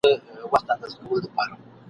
چاته به په چیغو خپل د ورکي ګرېوان څیري کړم !.